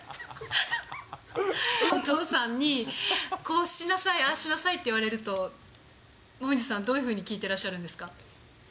お父さんにこうしなさい、ああしなさいって言われると、椛さん、どういうふうに聞いてらっしゃるんですか。